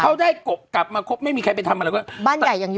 เขาได้กลับมาครบไม่มีใครไปทำอะไร